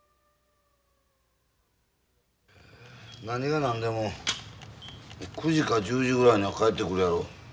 何が何でも９時か１０時ぐらいには帰ってくるやろ。